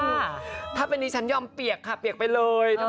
ถ้าเป็นดิฉันยอมเปียกค่ะเปียกไปเลย